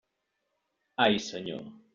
Ai, Senyor!